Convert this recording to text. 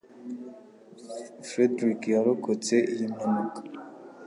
Frederick yarokotse iyi mpanuka